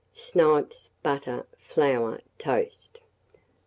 Snipes, butter, flour, toast.